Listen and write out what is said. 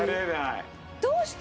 どうして？